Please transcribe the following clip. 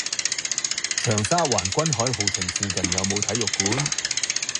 長沙灣君凱豪庭附近有無體育館？